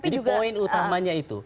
jadi poin utamanya itu